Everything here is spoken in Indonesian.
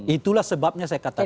itulah sebabnya saya katakan